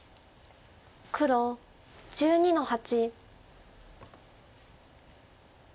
黒１２の八。